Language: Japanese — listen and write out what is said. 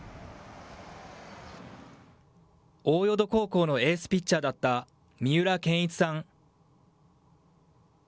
大淀高校のエースピッチャーだった三浦健逸さん。